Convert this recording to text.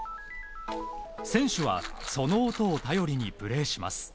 選手はその音を頼りにプレーします。